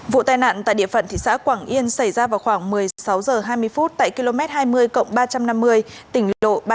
vụ tai nạn tại địa phận thị xã quảng yên xảy ra vào khoảng một mươi sáu giờ hai mươi phút tại km hai mươi cộng ba trăm năm mươi